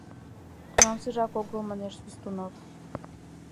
— Тунамсыжак огыл, — манеш Свистунов.